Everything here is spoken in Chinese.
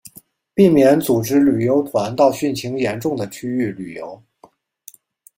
避免组织旅游团到汛情严重的区域旅游